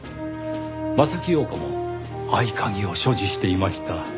柾庸子も合鍵を所持していました。